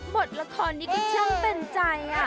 บทละครนี้ก็ช่างเป็นใจ